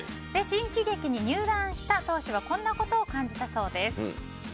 新喜劇に入団した当初はこんなことを感じたそうです。